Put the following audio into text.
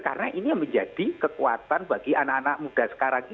karena ini yang menjadi kekuatan bagi anak anak muda sekarang ini